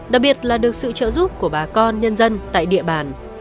đặc biệt là được sự trợ giúp của bà con nhân dân tại địa bàn